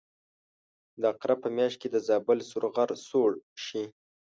د عقرب په میاشت کې د زابل سور غر سوړ شي.